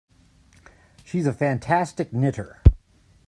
She's a fantastic knitter.